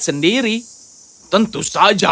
sendiri tentu saja